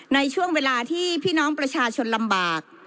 ในช่วงเวลาที่พี่น้องประชาชนลำบาก